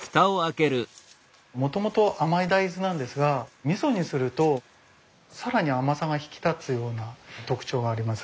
もともと甘い大豆なんですがみそにすると更に甘さが引き立つような特徴があります。